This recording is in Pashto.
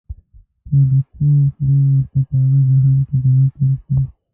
تر څو خدای ورته په هغه جهان کې جنت ورکړي.